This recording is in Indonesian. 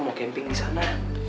mau camping di sana